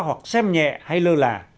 hoặc xem nhẹ hay lơ là